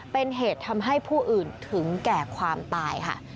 เป็นเหตุทำให้ผู้อื่นถึงแก่ความตายค่ะ